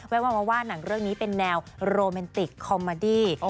มาว่าหนังเรื่องนี้เป็นแนวโรแมนติกคอมมาดี้